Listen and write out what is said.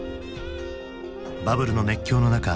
バブルの熱狂の中